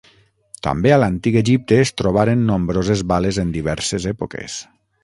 També a l'antic Egipte es trobaren nombroses bales en diverses èpoques.